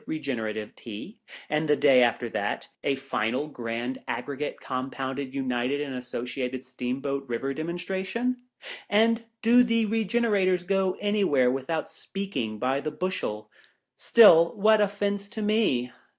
Regenerative Tea ; and, the day after that, a Final Grand Aggregate Compounded United and Associated Steam boat Biver Demonstration ; and do the Begenerators go anywhere without speaking, by the bushel 1 Still, what offence to me